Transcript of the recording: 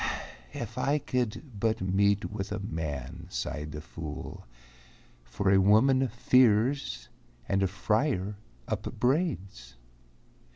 "If I could but meet with a man," sighed the fool, "For a woman fears, and a friar upbraids."